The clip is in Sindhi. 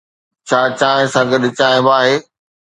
ڇا چانهه سان گڏ چانهه به آهي؟